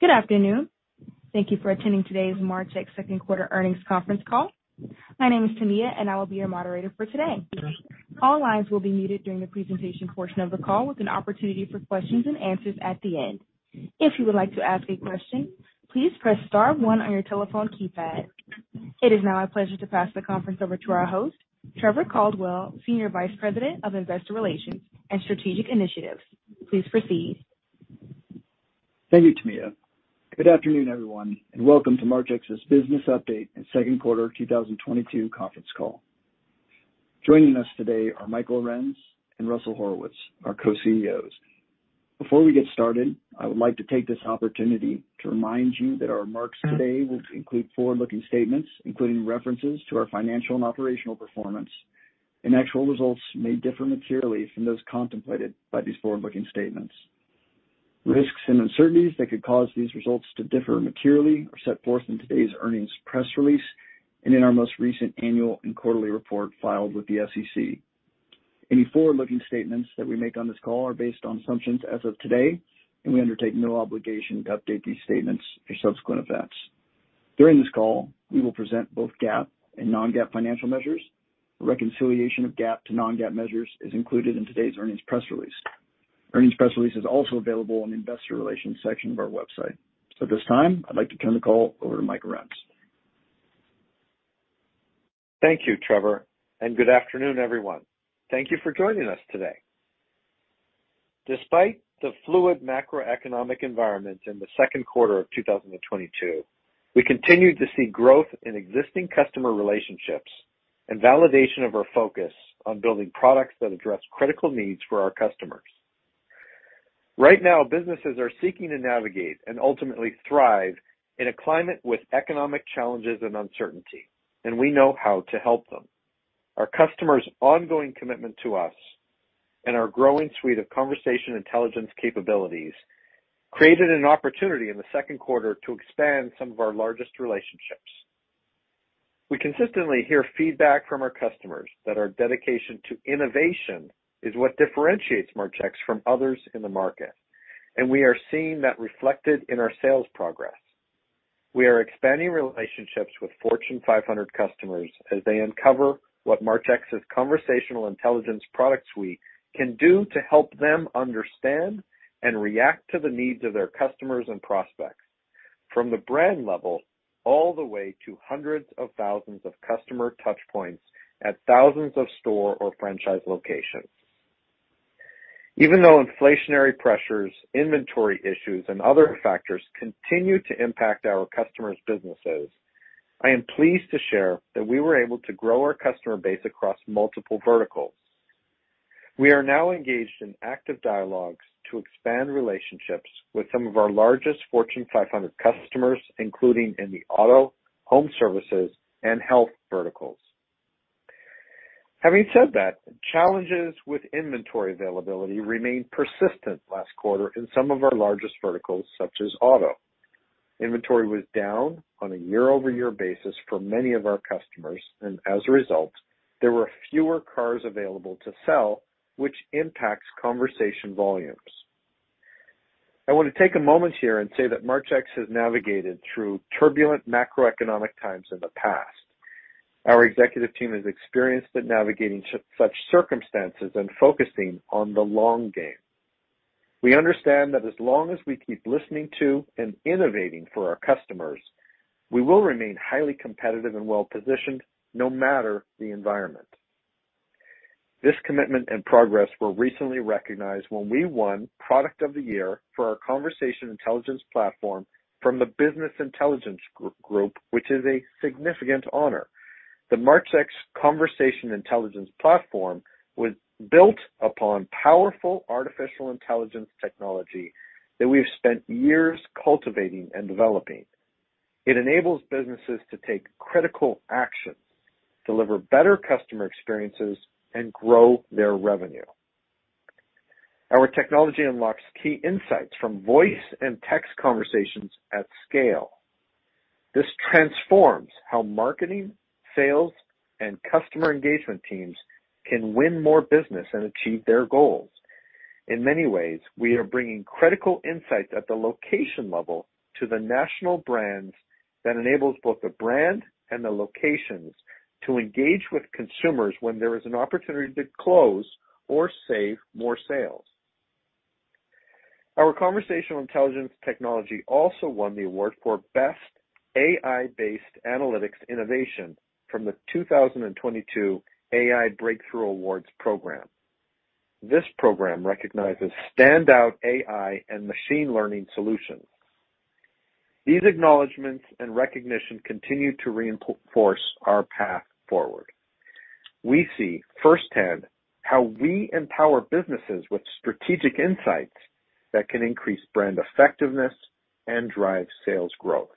Good afternoon. Thank you for attending today's Marchex second quarter earnings conference call. My name is Tamia, and I will be your moderator for today. All lines will be muted during the presentation portion of the call with an opportunity for questions and answers at the end. If you would like to ask a question, please press star one on your telephone keypad. It is now my pleasure to pass the conference over to our host, Trevor Caldwell, Senior Vice President of Investor Relations and Strategic Initiatives. Please proceed. Thank you, Tamia. Good afternoon, everyone, and welcome to Marchex's Business update and second quarter of 2022 conference call. Joining us today are Michael Arends and Russell Horowitz, our Co-CEOs. Before we get started, I would like to take this opportunity to remind you that our remarks today will include forward-looking statements, including references to our financial and operational performance, and actual results may differ materially from those contemplated by these forward-looking statements. Risks and uncertainties that could cause these results to differ materially are set forth in today's earnings press release and in our most recent annual and quarterly report filed with the SEC. Any forward-looking statements that we make on this call are based on assumptions as of today, and we undertake no obligation to update these statements for subsequent events. During this call, we will present both GAAP and non-GAAP financial measures. Reconciliation of GAAP to non-GAAP measures is included in today's earnings press release. Earnings press release is also available on the investor relations section of our website. At this time, I'd like to turn the call over to Michael Arends. Thank you, Trevor, and good afternoon, everyone. Thank you for joining us today. Despite the fluid macroeconomic environment in the second quarter of 2022, we continued to see growth in existing customer relationships and validation of our focus on building products that address critical needs for our customers. Right now, businesses are seeking to navigate and ultimately thrive in a climate with economic challenges and uncertainty, and we know how to help them. Our customers' ongoing commitment to us and our growing suite of conversation intelligence capabilities created an opportunity in the second quarter to expand some of our largest relationships. We consistently hear feedback from our customers that our dedication to innovation is what differentiates Marchex from others in the market, and we are seeing that reflected in our sales progress. We are expanding relationships with Fortune 500 customers as they uncover what Marchex's conversational intelligence product suite can do to help them understand and react to the needs of their customers and prospects from the brand level all the way to hundreds of thousands of customer touchpoints at thousands of store or franchise locations. Even though inflationary pressures, inventory issues, and other factors continue to impact our customers' businesses, I am pleased to share that we were able to grow our customer base across multiple verticals. We are now engaged in active dialogues to expand relationships with some of our largest Fortune 500 customers, including in the auto, home services, and health verticals. Having said that, challenges with inventory availability remained persistent last quarter in some of our largest verticals, such as auto. Inventory was down on a year-over-year basis for many of our customers, and as a result, there were fewer cars available to sell, which impacts conversation volumes. I wanna take a moment here and say that Marchex has navigated through turbulent macroeconomic times in the past. Our executive team has experienced navigating such circumstances and focusing on the long game. We understand that as long as we keep listening to and innovating for our customers, we will remain highly competitive and well-positioned no matter the environment. This commitment and progress were recently recognized when we won Product of the Year for our Conversation Intelligence Platform from the Business Intelligence Group, which is a significant honor. The Marchex Conversation Intelligence Platform was built upon powerful artificial intelligence technology that we've spent years cultivating and developing. It enables businesses to take critical actions, deliver better customer experiences, and grow their revenue. Our technology unlocks key insights from voice and text conversations at scale. This transforms how marketing, sales, and customer engagement teams can win more business and achieve their goals. In many ways, we are bringing critical insights at the location level to the national brands that enables both the brand and the locations to engage with consumers when there is an opportunity to close or save more sales. Our conversational intelligence technology also won the award for Best AI-Based Analytics Innovation from the 2022 AI Breakthrough Awards program. This program recognizes standout AI and machine learning solutions. These acknowledgments and recognition continue to reinforce our path forward. We see firsthand how we empower businesses with strategic insights that can increase brand effectiveness and drive sales growth.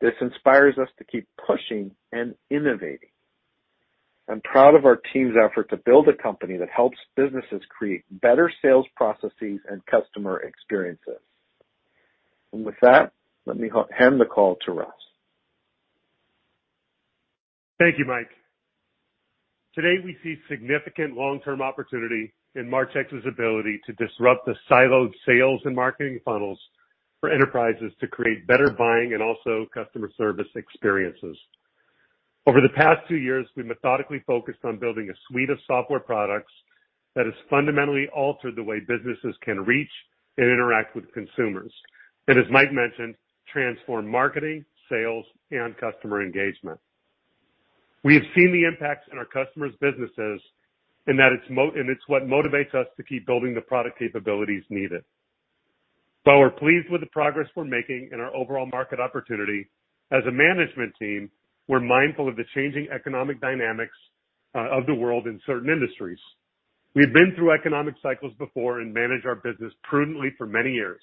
This inspires us to keep pushing and innovating. I'm proud of our team's effort to build a company that helps businesses create better sales processes and customer experiences. With that, let me hand the call to Russ. Thank you, Mike. Today, we see significant long-term opportunity in Marchex's ability to disrupt the siloed sales and marketing funnels for enterprises to create better buying and also customer service experiences. Over the past two years, we methodically focused on building a suite of software products that has fundamentally altered the way businesses can reach and interact with consumers, and as Mike mentioned, transform marketing, sales, and customer engagement. We have seen the impacts in our customers' businesses and that it's and it's what motivates us to keep building the product capabilities needed. Though we're pleased with the progress we're making in our overall market opportunity, as a management team, we're mindful of the changing economic dynamics of the world in certain industries. We've been through economic cycles before and managed our business prudently for many years.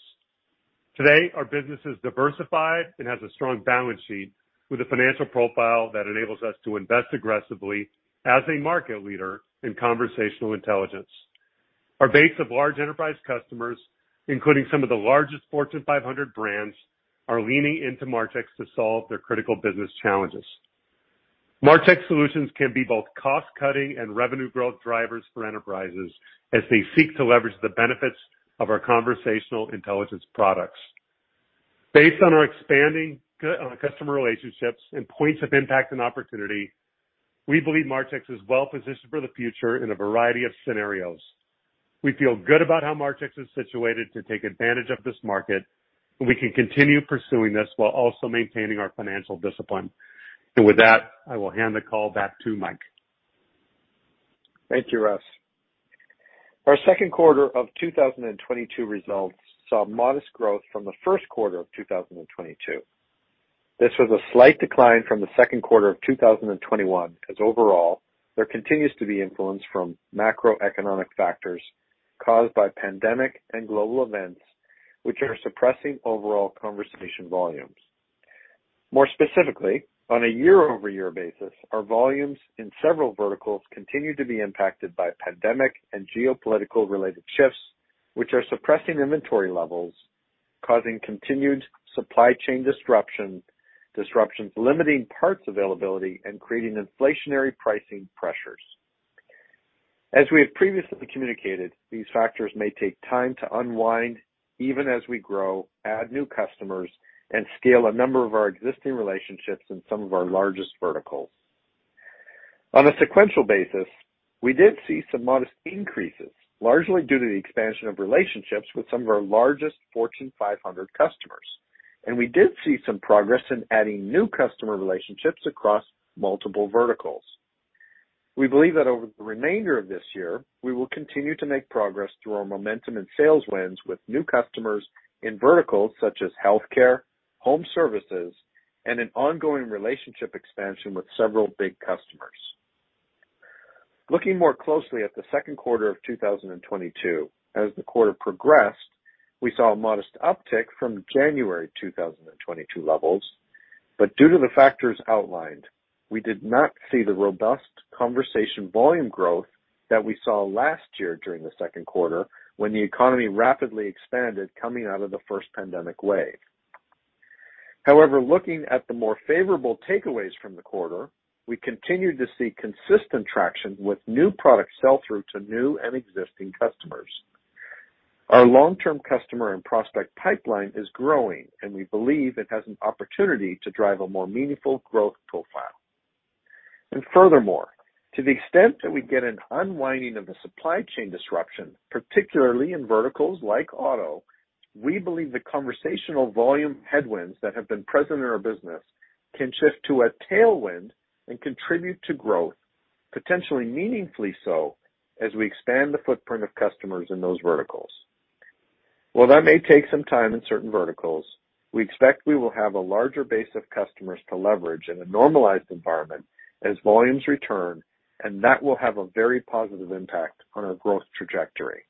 Today, our business is diversified and has a strong balance sheet with a financial profile that enables us to invest aggressively as a market leader in conversational intelligence. Our base of large enterprise customers, including some of the largest Fortune 500 brands, are leaning into Marchex to solve their critical business challenges. Marchex solutions can be both cost-cutting and revenue growth drivers for enterprises as they seek to leverage the benefits of our conversational intelligence products. Based on our expanding customer relationships and points of impact and opportunity, we believe Marchex is well-positioned for the future in a variety of scenarios. We feel good about how Marchex is situated to take advantage of this market, and we can continue pursuing this while also maintaining our financial discipline. With that, I will hand the call back to Mike. Thank you, Russ. Our second quarter of 2022 results saw modest growth from the first quarter of 2022. This was a slight decline from the second quarter of 2021, as overall, there continues to be influence from macroeconomic factors caused by pandemic and global events, which are suppressing overall conversation volumes. More specifically, on a year-over-year basis, our volumes in several verticals continue to be impacted by pandemic and geopolitical related shifts, which are suppressing inventory levels, causing continued supply chain disruption, disruptions limiting parts availability, and creating inflationary pricing pressures. As we have previously communicated, these factors may take time to unwind, even as we grow, add new customers, and scale a number of our existing relationships in some of our largest verticals. On a sequential basis, we did see some modest increases, largely due to the expansion of relationships with some of our largest Fortune 500 customers, and we did see some progress in adding new customer relationships across multiple verticals. We believe that over the remainder of this year, we will continue to make progress through our momentum and sales wins with new customers in verticals such as healthcare, home services, and an ongoing relationship expansion with several big customers. Looking more closely at the second quarter of 2022, as the quarter progressed, we saw a modest uptick from January 2022 levels. Due to the factors outlined, we did not see the robust conversation volume growth that we saw last year during the second quarter, when the economy rapidly expanded coming out of the first pandemic wave. However, looking at the more favorable takeaways from the quarter, we continued to see consistent traction with new product sell-through to new and existing customers. Our long-term customer and prospect pipeline is growing, and we believe it has an opportunity to drive a more meaningful growth profile. Furthermore, to the extent that we get an unwinding of the supply chain disruption, particularly in verticals like auto, we believe the conversational volume headwinds that have been present in our business can shift to a tailwind and contribute to growth, potentially meaningfully so, as we expand the footprint of customers in those verticals. While that may take some time in certain verticals, we expect we will have a larger base of customers to leverage in a normalized environment as volumes return, and that will have a very positive impact on our growth trajectory.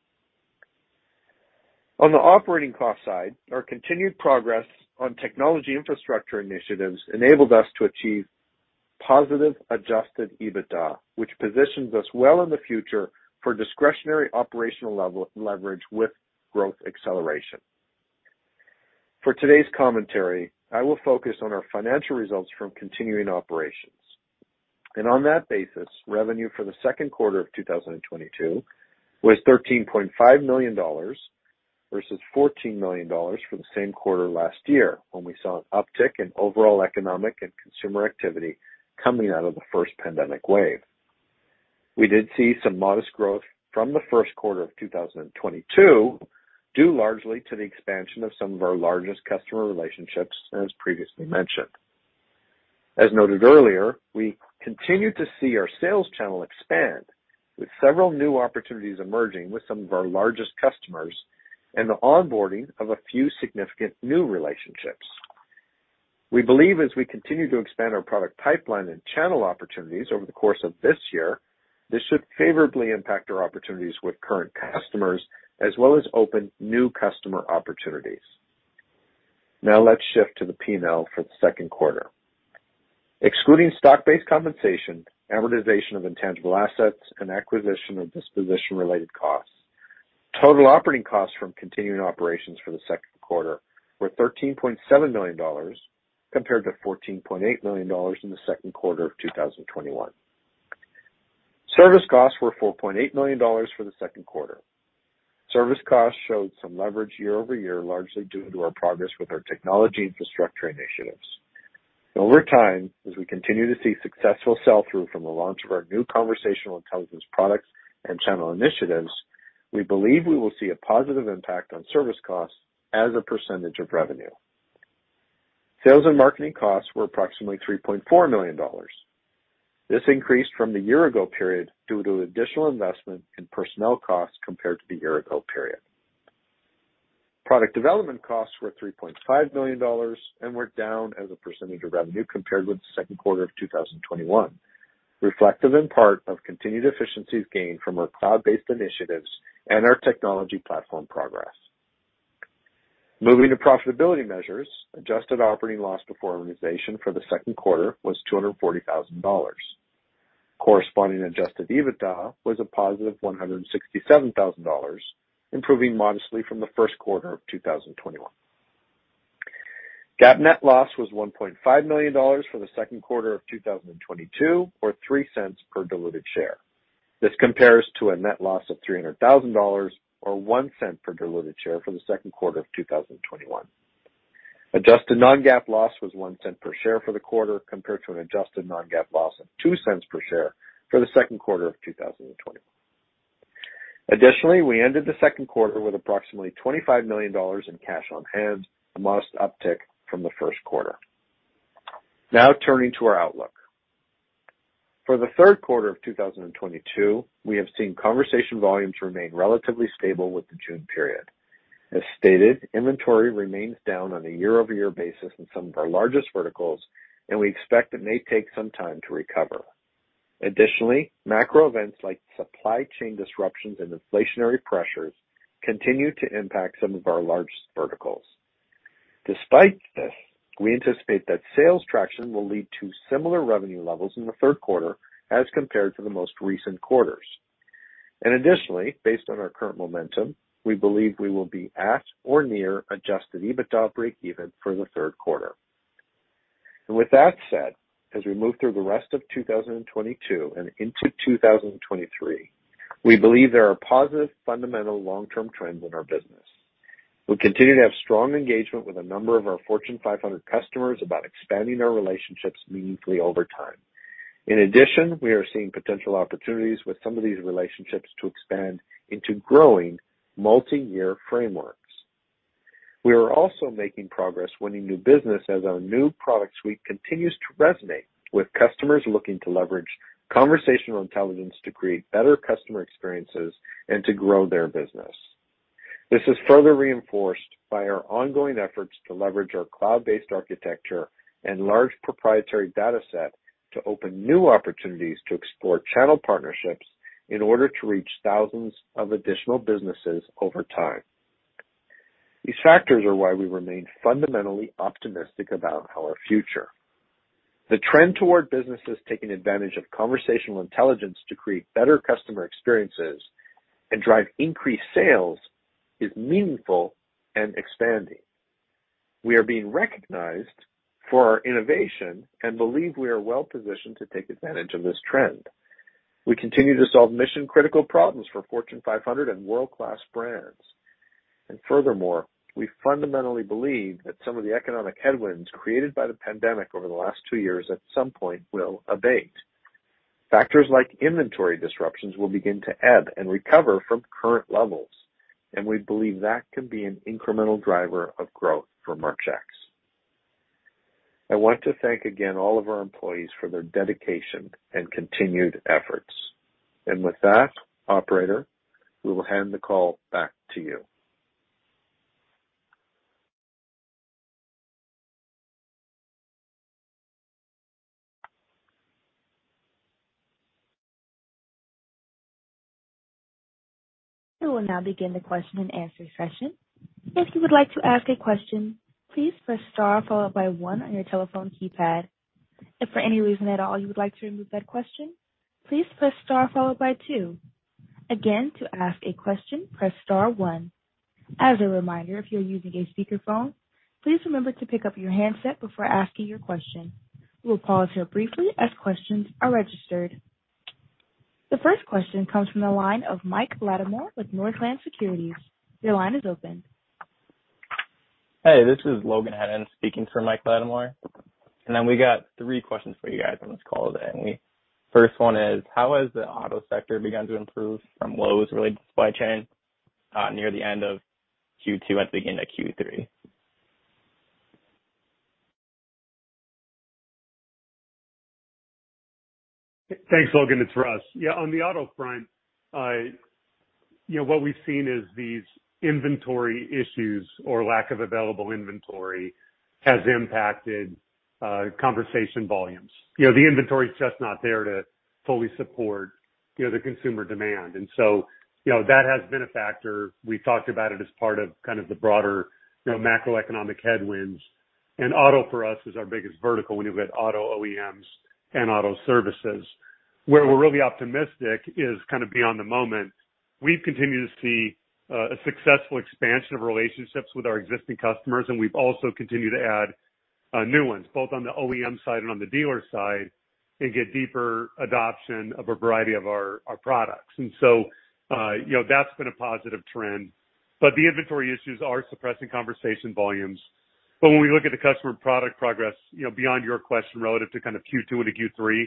On the operating cost side, our continued progress on technology infrastructure initiatives enabled us to achieve positive adjusted EBITDA, which positions us well in the future for discretionary operational leverage with growth acceleration. For today's commentary, I will focus on our financial results from continuing operations. On that basis, revenue for the second quarter of 2022 was $13.5 million, versus $14 million for the same quarter last year when we saw an uptick in overall economic and consumer activity coming out of the first pandemic wave. We did see some modest growth from the first quarter of 2022, due largely to the expansion of some of our largest customer relationships, as previously mentioned. As noted earlier, we continue to see our sales channel expand with several new opportunities emerging with some of our largest customers and the onboarding of a few significant new relationships. We believe as we continue to expand our product pipeline and channel opportunities over the course of this year, this should favorably impact our opportunities with current customers as well as open new customer opportunities. Now let's shift to the P&L for the second quarter. Excluding stock-based compensation, amortization of intangible assets, and acquisition or disposition-related costs. Total operating costs from continuing operations for the second quarter were $13.7 million compared to $14.8 million in the second quarter of 2021. Service costs were $4.8 million for the second quarter. Service costs showed some leverage year-over-year, largely due to our progress with our technology infrastructure initiatives. Over time, as we continue to see successful sell-through from the launch of our new conversational intelligence products and channel initiatives, we believe we will see a positive impact on service costs as a percentage of revenue. Sales and marketing costs were approximately $3.4 million. This increased from the year ago period due to additional investment in personnel costs compared to the year ago period. Product development costs were $3.5 million and were down as a percentage of revenue compared with the second quarter of 2021, reflective in part of continued efficiencies gained from our cloud-based initiatives and our technology platform progress. Moving to profitability measures. Adjusted operating loss before amortization for the second quarter was $240 thousand. Corresponding adjusted EBITDA was a positive $167,000, improving modestly from the first quarter of 2021. GAAP net loss was $1.5 million for the second quarter of 2022, or $0.03 per diluted share. This compares to a net loss of $300,000 or $0.01 per diluted share for the second quarter of 2021. Adjusted non-GAAP loss was $0.01 per share for the quarter compared to an adjusted non-GAAP loss of $0.02 per share for the second quarter of 2020. Additionally, we ended the second quarter with approximately $25 million in cash on hand, a modest uptick from the first quarter. Now turning to our outlook. For the third quarter of 2022, we have seen conversation volumes remain relatively stable with the June period. As stated, inventory remains down on a year-over-year basis in some of our largest verticals, and we expect it may take some time to recover. Additionally, macro events like supply chain disruptions and inflationary pressures continue to impact some of our largest verticals. Despite this, we anticipate that sales traction will lead to similar revenue levels in the third quarter as compared to the most recent quarters. Additionally, based on our current momentum, we believe we will be at or near adjusted EBITDA breakeven for the third quarter. With that said, as we move through the rest of 2022 and into 2023, we believe there are positive fundamental long-term trends in our business. We continue to have strong engagement with a number of our Fortune 500 customers about expanding our relationships meaningfully over time. In addition, we are seeing potential opportunities with some of these relationships to expand into growing multi-year frameworks. We are also making progress winning new business as our new product suite continues to resonate with customers looking to leverage conversational intelligence to create better customer experiences and to grow their business. This is further reinforced by our ongoing efforts to leverage our cloud-based architecture and large proprietary data set to open new opportunities to explore channel partnerships in order to reach thousands of additional businesses over time. These factors are why we remain fundamentally optimistic about our future. The trend toward businesses taking advantage of conversational intelligence to create better customer experiences and drive increased sales is meaningful and expanding. We are being recognized for our innovation and believe we are well-positioned to take advantage of this trend. We continue to solve mission-critical problems for Fortune 500 and world-class brands. Furthermore, we fundamentally believe that some of the economic headwinds created by the pandemic over the last two years at some point will abate. Factors like inventory disruptions will begin to ebb and recover from current levels, and we believe that can be an incremental driver of growth for Marchex. I want to thank again all of our employees for their dedication and continued efforts. With that, operator, we will hand the call back to you. We will now begin the question and answer session. If you would like to ask a question, please press star followed by one on your telephone keypad. If for any reason at all you would like to remove that question, please press star followed by two. Again, to ask a question, press star one. As a reminder, if you're using a speakerphone, please remember to pick up your handset before asking your question. We will pause here briefly as questions are registered. The first question comes from the line of Mike Latimore with Northland Securities. Your line is open. Hey, this is Logan Hennen speaking for Mike Latimore. Then we got three questions for you guys on this call today. First one is how has the auto sector begun to improve from lows related to supply chain, near the end of Q2 at the beginning of Q3? Thanks, Logan. It's Russ. Yeah, on the auto front, you know what we've seen is these inventory issues or lack of available inventory has impacted, conversation volumes. You know, the inventory is just not there to fully support, you know, the consumer demand. You know, that has been a factor. We talked about it as part of kind of the broader, you know, macroeconomic headwinds. Auto for us is our biggest vertical when you've got auto OEMs and auto services. Where we're really optimistic is kind of beyond the moment. We've continued to see a successful expansion of relationships with our existing customers, and we've also continued to add new ones, both on the OEM side and on the dealer side, and get deeper adoption of a variety of our products. You know, that's been a positive trend. The inventory issues are suppressing conversation volumes. When we look at the customer product progress, you know, beyond your question, relative to kind of Q2 into Q3,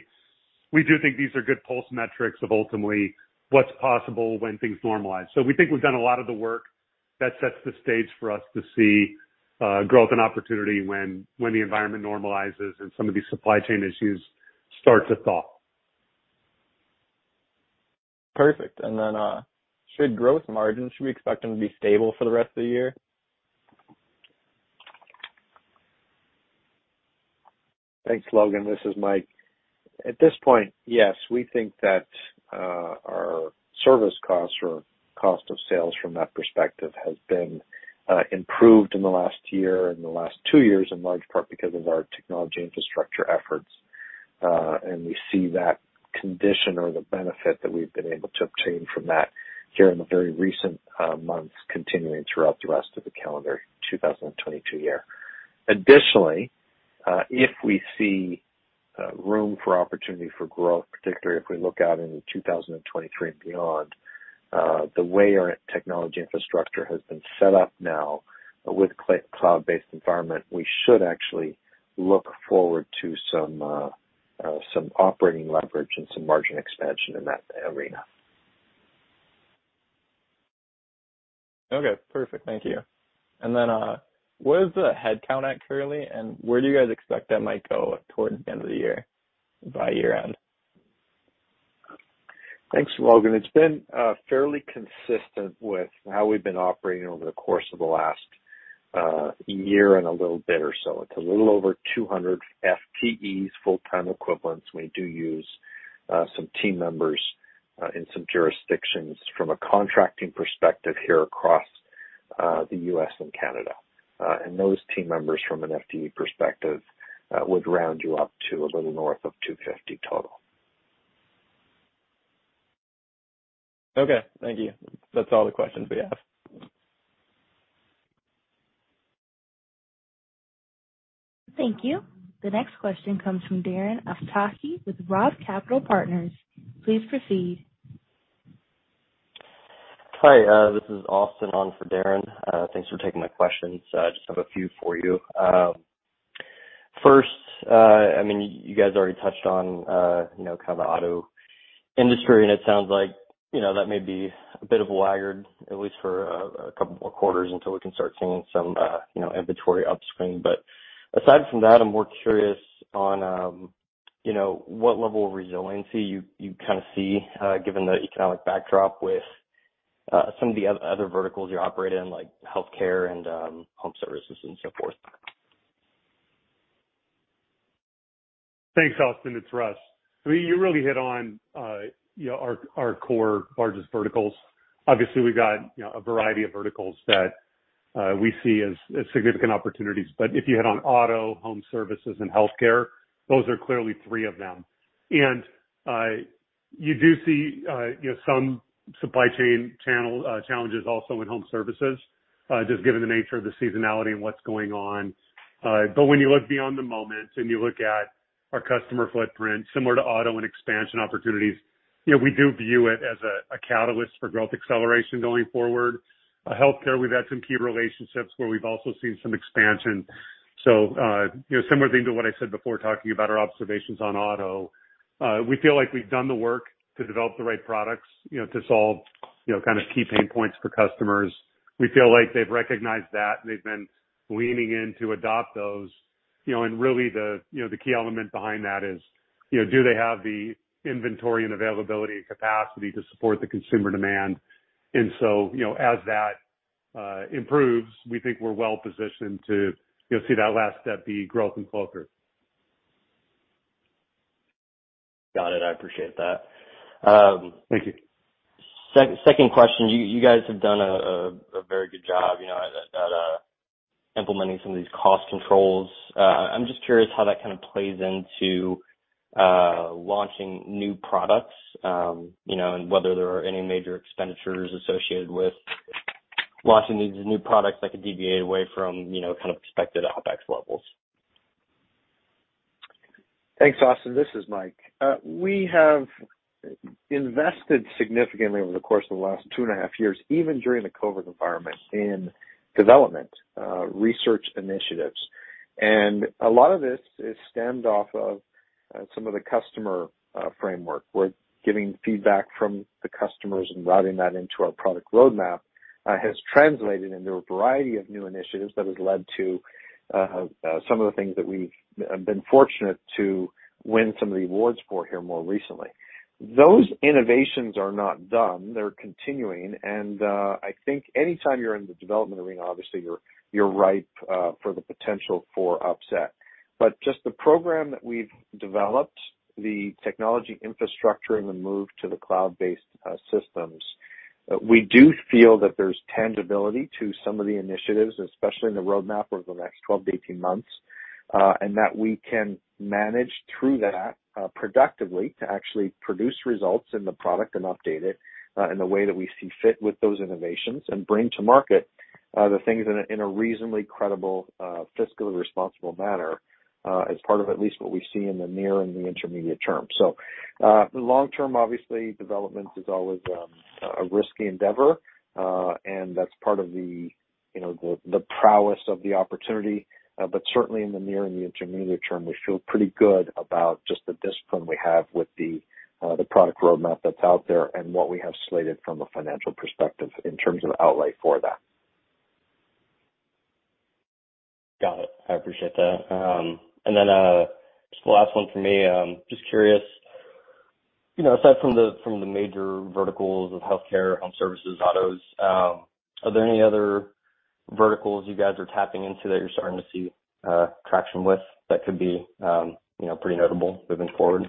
we do think these are good pulse metrics of ultimately what's possible when things normalize. We think we've done a lot of the work that sets the stage for us to see growth and opportunity when the environment normalizes and some of these supply chain issues start to thaw. Perfect. Should we expect gross margins to be stable for the rest of the year? Thanks, Logan. This is Mike. At this point, yes, we think that our service costs or cost of sales from that perspective has been improved in the last year, in the last two years, in large part because of our technology infrastructure efforts. We see that condition or the benefit that we've been able to obtain from that here in the very recent months continuing throughout the rest of the calendar 2022 year. Additionally, if we see room for opportunity for growth, particularly if we look out into 2023 and beyond, the way our technology infrastructure has been set up now with cloud-based environment, we should actually look forward to some operating leverage and some margin expansion in that arena. Okay. Perfect. Thank you. Where is the headcount at currently, and where do you guys expect that might go towards the end of the year by year-end? Thanks, Logan. It's been fairly consistent with how we've been operating over the course of the last year and a little bit or so. It's a little over 200 FTEs, full-time equivalents. We do use some team members in some jurisdictions from a contracting perspective here across the U.S. and Canada. Those team members from an FTE perspective would round you up to a little north of 250 total. Okay. Thank you. That's all the questions we have. Thank you. The next question comes from Darren Aftahi with ROTH Capital Partners. Please proceed. Hi, this is Austin on for Darren. Thanks for taking my questions. I just have a few for you. First, I mean, you guys already touched on, you know, kind of the auto industry, and it sounds like, you know, that may be a bit of a headwind at least for a couple more quarters until we can start seeing some, you know, inventory upstream. But aside from that, I'm more curious on, you know, what level of resiliency you kind of see, given the economic backdrop with, some of the other verticals you operate in, like healthcare and, home services and so forth. Thanks, Austin. It's Russ. I mean, you really hit on, you know, our core largest verticals. Obviously, we've got, you know, a variety of verticals that we see as significant opportunities. If you hit on auto, home services and healthcare, those are clearly three of them. You do see, you know, some supply chain channel challenges also in home services, just given the nature of the seasonality and what's going on. When you look beyond the moment and you look at our customer footprint, similar to auto and expansion opportunities, you know, we do view it as a catalyst for growth acceleration going forward. Healthcare, we've had some key relationships where we've also seen some expansion. You know, similar thing to what I said before, talking about our observations on auto. We feel like we've done the work to develop the right products, you know, to solve, you know, kind of key pain points for customers. We feel like they've recognized that, and they've been leaning in to adopt those. You know, really the key element behind that is, you know, do they have the inventory and availability and capacity to support the consumer demand? You know, as that improves, we think we're well positioned to, you know, see that last step be growth and closure. Got it. I appreciate that. Thank you. Second question. You guys have done a very good job, you know, at implementing some of these cost controls. I'm just curious how that kind of plays into launching new products, you know, and whether there are any major expenditures associated with launching these new products that could deviate away from, you know, kind of expected OpEx levels. Thanks, Austin. This is Mike. We have invested significantly over the course of the last two and a half years, even during the COVID environment, in development, research initiatives. A lot of this is stemmed off of some of the customer framework. We're getting feedback from the customers and routing that into our product roadmap has translated into a variety of new initiatives that has led to some of the things that we've been fortunate to win some of the awards for here more recently. Those innovations are not done. They're continuing. I think anytime you're in the development arena, obviously you're ripe for the potential for upset. But just the program that we've developed, the technology infrastructure and the move to the cloud-based systems. We do feel that there's tangibility to some of the initiatives, especially in the roadmap over the next 12-18 months, and that we can manage through that productively to actually produce results in the product and update it in the way that we see fit with those innovations and bring to market the things in a reasonably credible fiscally responsible manner as part of at least what we see in the near and the intermediate term. The long term, obviously, development is always a risky endeavor, and that's part of the, you know, the prowess of the opportunity. Certainly in the near and the intermediate term, we feel pretty good about just the discipline we have with the product roadmap that's out there and what we have slated from a financial perspective in terms of outlay for that. Got it. I appreciate that. Just the last one for me, just curious, you know, aside from the major verticals of healthcare, home services, autos, are there any other verticals you guys are tapping into that you're starting to see traction with that could be, you know, pretty notable moving forward?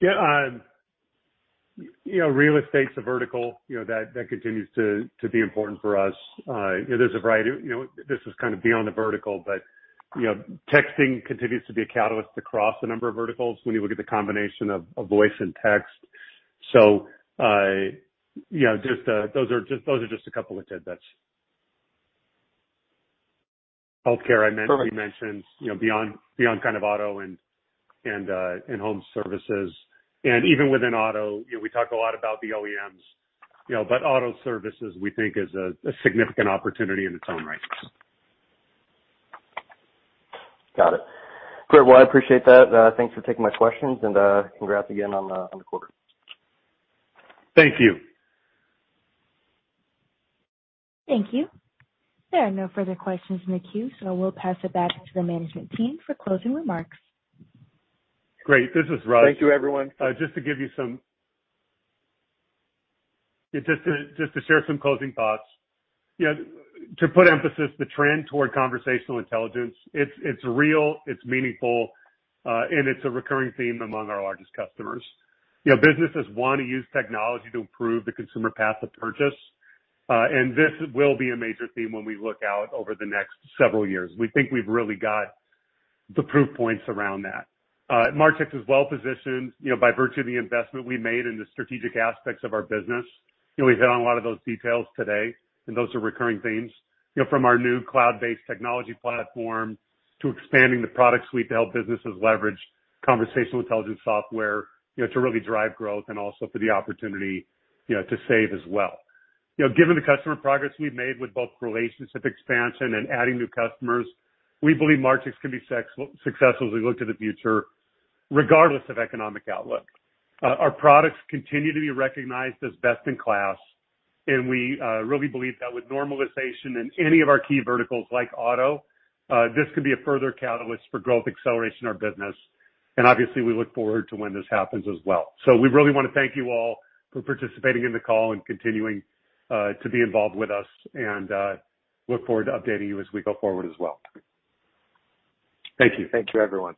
Yeah. You know, real estate's a vertical, you know, that continues to be important for us. There's a variety. You know, this is kind of beyond the vertical, but you know, texting continues to be a catalyst across a number of verticals when you look at the combination of voice and text. You know, those are just a couple of tidbits. Healthcare, I mentioned. Perfect. You know, beyond kind of auto and home services. Even within auto, you know, we talk a lot about the OEMs, you know, but auto services we think is a significant opportunity in its own right. Got it. Great. Well, I appreciate that. Thanks for taking my questions and, congrats again on the quarter. Thank you. Thank you. There are no further questions in the queue, so we'll pass it back to the management team for closing remarks. Great. This is Russ. Thank you, everyone. Just to share some closing thoughts. You know, to put emphasis, the trend toward conversational intelligence, it's real, it's meaningful, and it's a recurring theme among our largest customers. You know, businesses wanna use technology to improve the consumer path of purchase, and this will be a major theme when we look out over the next several years. We think we've really got the proof points around that. Marchex is well positioned, you know, by virtue of the investment we made in the strategic aspects of our business. You know, we hit on a lot of those details today, and those are recurring themes. You know, from our new cloud-based technology platform to expanding the product suite to help businesses leverage conversational intelligence software, you know, to really drive growth and also for the opportunity, you know, to save as well. You know, given the customer progress we've made with both relationship expansion and adding new customers, we believe Marchex can be successful as we look to the future regardless of economic outlook. Our products continue to be recognized as best in class, and we really believe that with normalization in any of our key verticals like auto, this can be a further catalyst for growth acceleration in our business. Obviously, we look forward to when this happens as well. We really wanna thank you all for participating in the call and continuing to be involved with us, and look forward to updating you as we go forward as well. Thank you. Thank you, everyone.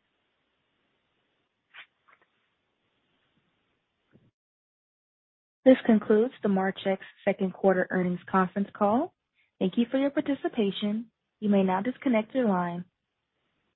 This concludes the Marchex second quarter earnings conference call. Thank you for your participation. You may now disconnect your line.